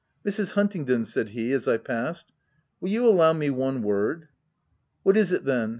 " Mrs. Huntingdon," said he as I passed, " will you allow me one word?" " What is it then